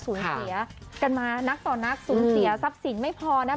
สูญเสียกันมานักต่อนักสูญเสียทรัพย์สินไม่พอนะคะ